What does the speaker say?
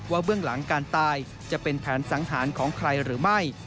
เบื้องหลังการตายจะเป็นแผนสังหารของใครหรือไม่